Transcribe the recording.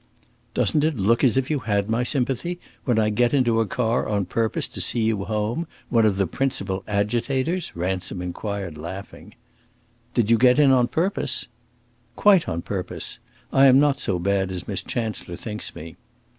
"Doesn't it look as if you had my sympathy, when I get into a car on purpose to see you home one of the principal agitators?" Ransom inquired, laughing. "Did you get in on purpose?" "Quite on purpose. I am not so bad as Miss Chancellor thinks me."